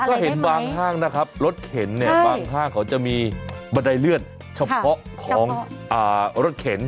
ก็เห็นบางห้างนะครับรถเข็นเนี่ยบางห้างเขาจะมีบันไดเลือดเฉพาะของรถเข็น